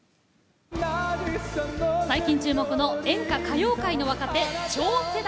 最近、注目の演歌歌謡界の若手、超世代。